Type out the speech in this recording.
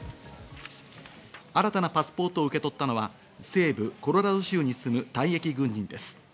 新たなパスポートを受け取ったのは西部コロラド州に住む退役軍人です。